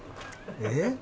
えっ？